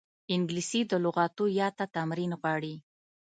انګلیسي د لغاتو یاد ته تمرین غواړي